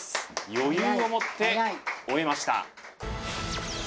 余裕を持って終えました。